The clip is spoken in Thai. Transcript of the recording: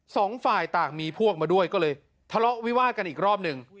สองฝ่ายต่างมีพวกมาด้วยก็เลยทะเลาะวิวาดกันอีกรอบหนึ่ง